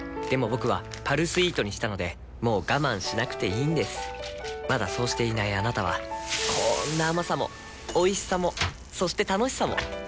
僕は「パルスイート」にしたのでもう我慢しなくていいんですまだそうしていないあなたはこんな甘さもおいしさもそして楽しさもあちっ。